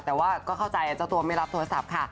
แต่ว่าก็เข้าใจเจ้าตัวไม่รับโทรศัพท์ค่ะ